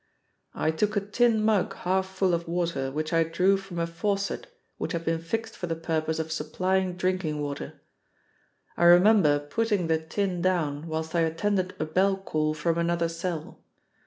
I took a tin mug half full of water which I drew from a faucet which had been fixed for the purpose of supplying drinking water. I remember putting the tin down whilst I attended a bell call from another cell.